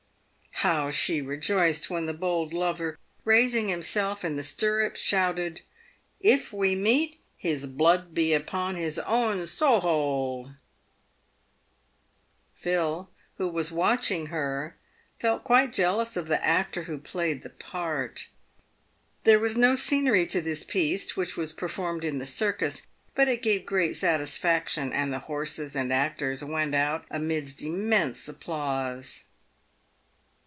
How she rejoiced when the bold lover, raising himself in the stirrups, shouted, " If we meet, his blood be upon his own sohole." Phil, who was watching her, felt quite jealous of the actor who played the part. There was no scenery to this piece, which was performed in the circus, but it gave great satisfaction, and the horses and actors went out amid immense applause.